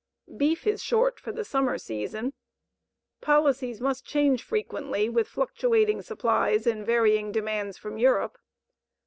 Beef is short for the summer season. Policies must change frequently with fluctuating supplies and varying demands from Europe.